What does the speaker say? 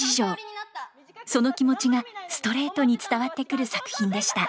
その気持ちがストレートに伝わってくる作品でした。